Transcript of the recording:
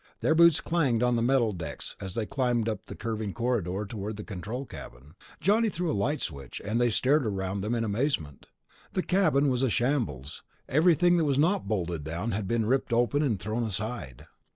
Their boots clanged on the metal decks as they climbed up the curving corridor toward the control cabin. Then Johnny threw a light switch, and they stared around them in amazement. The cabin was a shambles. Everything that was not bolted down had been ripped open and thrown aside.